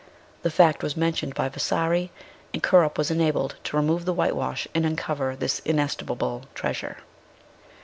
The fact was mentioned by Vasari, and Kirkup was enabled to remove the whitewash and uncover this inestimable treasure.